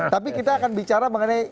tapi kita akan bicara mengenai